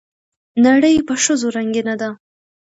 نړۍ په ښځو رنګينه ده